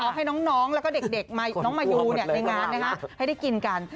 เอาให้น้องและเด็กมาอยู่ในดางานให้ได้กินกัน